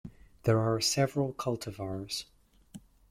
There are several cultivars.